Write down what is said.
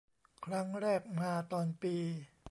ครั้งแรกมาตอนปี